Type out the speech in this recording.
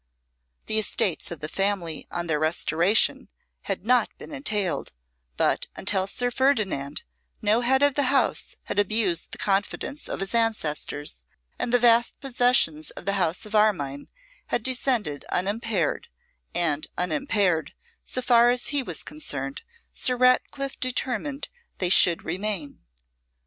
The estates of the family, on their restoration, had not been entailed; but, until Sir Ferdinand no head of the house had abused the confidence of his ancestors, and the vast possessions of the house of Armine had descended unimpaired; and unimpaired, so far as he was concerned, Sir Ratcliffe determined they should remain.